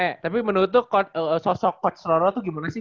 eh tapi menurut lu sosok coach loro tuh gimana sih